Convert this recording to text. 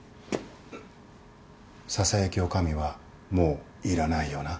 ささやき女将はもういらないよな。